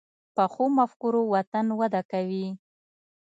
پخو مفکورو وطن وده کوي